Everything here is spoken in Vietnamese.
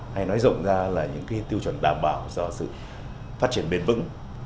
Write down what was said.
hay nói rộng ra là những cái tiêu chuẩn đảm bảo cho sự phát triển bền vững